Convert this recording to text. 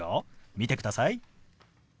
見てください。